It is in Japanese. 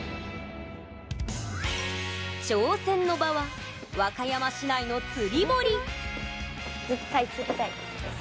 挑戦の場は、和歌山市内の釣り堀。